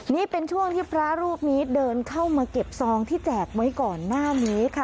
นี่เป็นช่วงที่พระรูปนี้เดินเข้ามาเก็บซองที่แจกไว้ก่อนหน้านี้ค่ะ